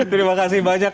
terima kasih banyak